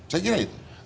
saya kira itu